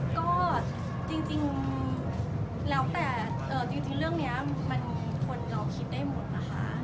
ในเรื่องจริงเรื่องนี้คนเราคิดได้หมดนะคะ